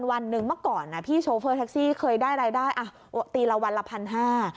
วันหนึ่งเมื่อก่อนพี่โชเฟอร์แท็กซี่เคยได้รายได้อ่ะตีละวันละพันห้า